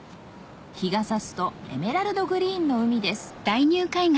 日が差すとエメラルドグリーンの海です